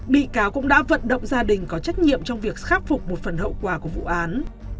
bị cáo cũng đã vận động gia đình có trách nhiệm trong việc khắc phục một phần hậu quả của vụ án